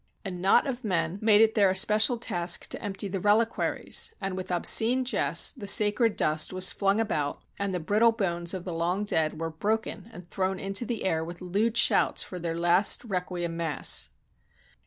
A knot of men made it 290 THE DEVASTATION OF ST. VITUS'S CHURCH their especial task to empty the reliquaries, and with obscene jests the sacred dust was flung about, and the brittle bones of the long dead were broken and thrown into the air with lewd shouts for their last requiem mass.